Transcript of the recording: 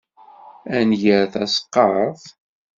Ad nger taseqqart?